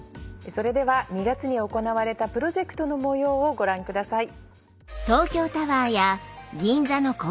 それでは２月に行われたプロジェクトの模様をご覧ください。